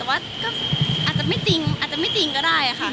แต่ว่าก็อาจจะไม่จริงก็ได้ค่ะ